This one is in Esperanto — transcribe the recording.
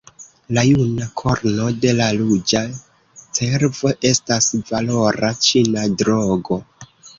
La juna korno de la ruĝa cervo estas valora ĉina drogo.